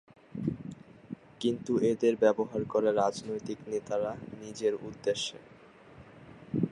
কিন্তু এদের ব্যবহার করে রাজনৈতিক নেতারা, নিজের উদ্দেশ্যে।